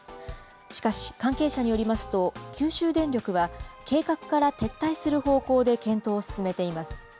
しかし、関係者によりますと、九州電力は、計画から撤退する方向で検討を進めています。